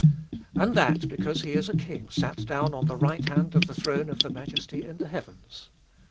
And that, because He is a King sat down on the right hand of the throne of the Majesty in the heavens.